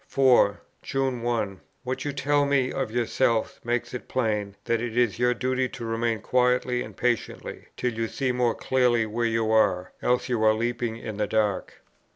'" 4. "June 1. What you tell me of yourself makes it plain that it is your duty to remain quietly and patiently, till you see more clearly where you are; else you are leaping in the dark."